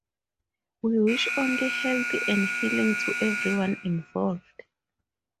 We wish only health and healing to everyone involved.